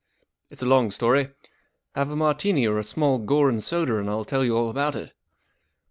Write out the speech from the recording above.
44 It's a long story. Have a martini or a small gore and soda, and I'll tell you all about it.